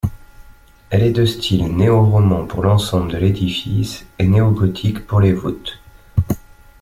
Elle est de style néo-roman pour l'ensemble de l'édifice et néo-gothique pour les voûtes.